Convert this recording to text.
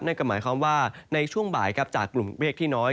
นั่นก็หมายความว่าในช่วงบ่ายจากกลุ่มเมฆที่น้อย